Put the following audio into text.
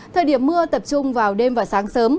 thời điểm mưa tập trung vào đêm và sáng sớm